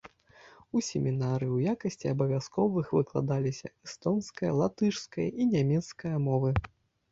У семінарыі ў якасці абавязковых выкладаліся эстонская, латышская і нямецкая мовы.